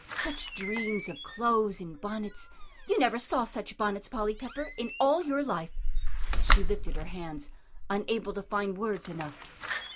Such dreams of clothes and bonnets! You never saw such bonnets, Polly Pepper, in all your life!" She lifted her hands, unable to find words enough.